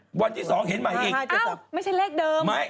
วันที่๒เห็นใหม่อีกไม่ใช่เลขเดิม